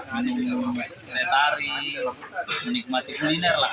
terus kita menikmati keretari menikmati kuliner lah